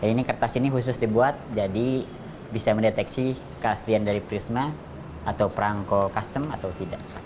ini kertas ini khusus dibuat jadi bisa mendeteksi keaslian dari prisma atau perangko custom atau tidak